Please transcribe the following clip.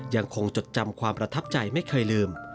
จดจำความประทับใจไม่เคยลืม